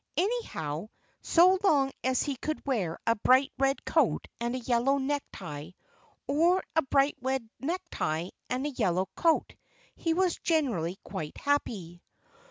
Anyhow, so long as he could wear a bright red coat and a yellow necktie or a bright red necktie and a yellow coat he was generally quite happy.